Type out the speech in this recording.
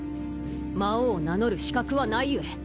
魔王を名乗る資格はないゆえ。